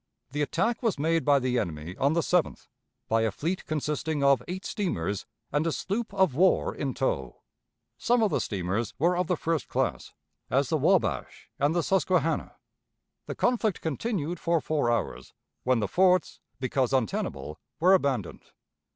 The attack was made by the enemy on the 7th, by a fleet consisting of eight steamers and a sloop of war in tow. Some of the steamers were of the first class, as the Wabash and the Susquehanna. The conflict continued for four hours, when the forts, because untenable, were abandoned.